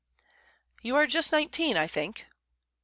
"You are just nineteen, I think?"